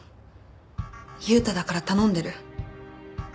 悠太だから頼んでる。